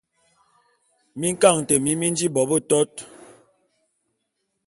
Minkaňete mi mi nji bo betot.